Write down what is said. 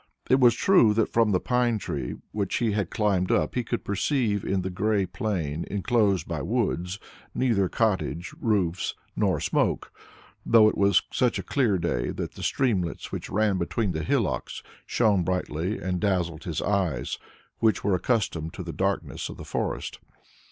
It was true that from the pine tree which he climbed up he could perceive in the grey plain enclosed by woods neither cottage roofs nor smoke, though it was such a clear day that the streamlets which ran between the hillocks shone brightly and dazzled his eyes which were accustomed to the darkness of the forest.